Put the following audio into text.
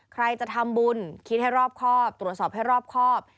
ใครจะทำบุญคิดให้รอบครอบตรวจสอบให้รอบครอบ